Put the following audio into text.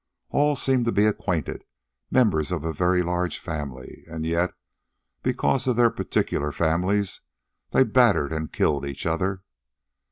All seemed to be acquainted, members of a very large family, and yet, because of their particular families, they battered and killed each other.